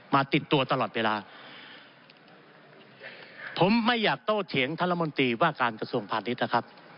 ติดตัวตลอดเวลาผมไม่อยากโตเถียงท่านละมนตรีว่าการกระทรวงพาณิชย์นะครับ